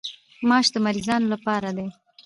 ماش د مریضانو لپاره دي.